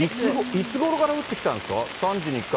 いつごろから降ってきたんですか？